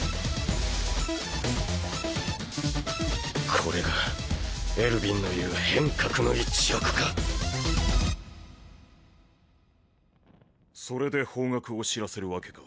これがエルヴィンの言う「変革の一翼」かそれで方角を知らせるわけか。